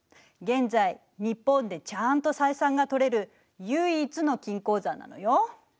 現在日本でちゃんと採算がとれる唯一の金鉱山なのよ。